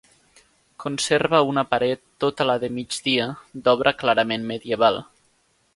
Conserva una paret, tota la de migdia, d'obra clarament medieval.